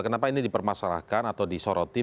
kenapa ini dipermasalahkan atau disoroti